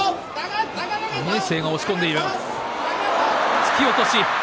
突き落とし。